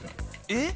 えっ？